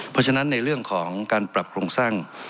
เพราะฉะนั้นในเรื่องของการปรับโครงสร้าง